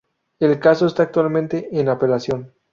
El caso está actualmente en apelación.